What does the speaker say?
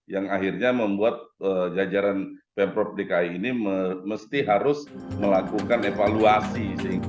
yang akhirnya membuat jajaran pemprov dki ini mesti harus melakukan evaluasi